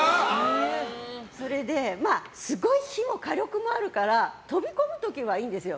それですごい火の火力もあるから飛び込む時はいいんですよ。